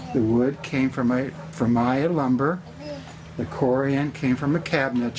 lumpur dari maya kori dari kabinet